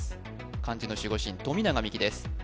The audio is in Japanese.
漢字の守護神富永美樹です